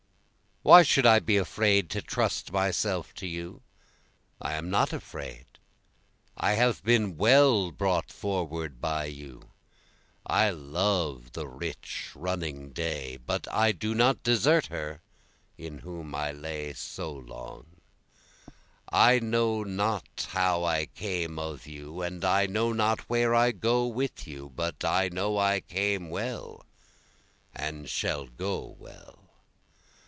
Why should I be afraid to trust myself to you? I am not afraid, I have been well brought forward by you, I love the rich running day, but I do not desert her in whom I lay so long, I know not how I came of you and I know not where I go with you, but I know I came well and shall go well.